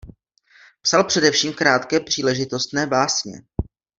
Psal především krátké příležitostné básně.